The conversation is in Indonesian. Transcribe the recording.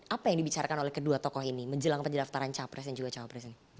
apa yang dibicarakan oleh kedua tokoh ini menjelang pendaftaran capres dan juga cawapres ini